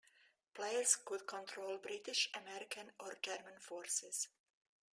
Players could control British, American, or German forces.